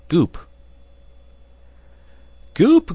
GOOP!_ Goop!